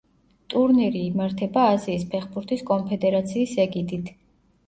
ტურნირი იმართება აზიის ფეხბურთის კონფედერაციის ეგიდით.